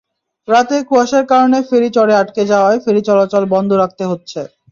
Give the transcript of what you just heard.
রাতে কুয়াশার কারণে ফেরি চরে আটকে যাওয়ায় ফেরি চলাচল বন্ধ রাখতে হচ্ছে।